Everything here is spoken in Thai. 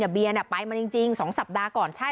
เนี่ยเบียร์เนี่ยไปมาจริง๒สัปดาห์ก่อนใช่